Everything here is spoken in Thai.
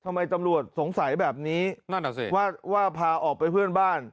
ทำไมตำรวจสงสัยแบบนี้นั่นอ่ะสิว่าพาออกไปเพื่อนบ้าน